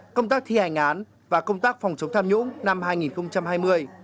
công tác thi hành án và công tác phòng chống tham nhũng năm hai nghìn hai mươi